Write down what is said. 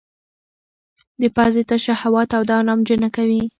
د پزې تشه هوا توده او نمجنه کوي.